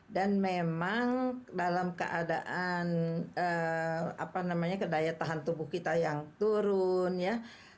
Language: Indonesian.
dan memang dalam keadaan apa namanya kedaya tahan tubuh kita yang turun ya